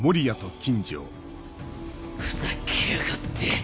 ふざけやがって。